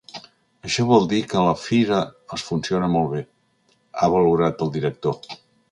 “Això vol dir que la fira els funciona molt bé”, ha valorat el director.